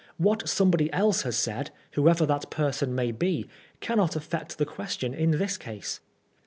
. What somebody else has said, whoever that person may be, cannot affect the question in this case.